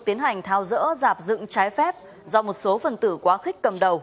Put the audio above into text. tiến hành thao dỡ giạp dựng trái phép do một số phần tử quá khích cầm đầu